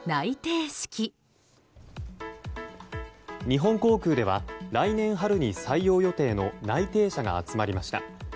日本航空では来年春に採用予定の内定者が集まりました。